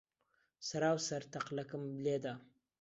سەرا و سەر تەقلەکم لێ دا.